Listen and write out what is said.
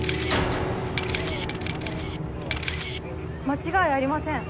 間違いありません。